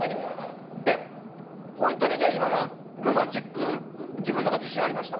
えっ、ホントに今のはロマンチック、自分の中に自信ありました？